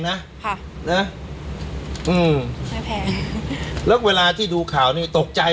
นะค่ะนะอืมไม่แพ้แล้วเวลาที่ดูข่าวนี้ตกใจ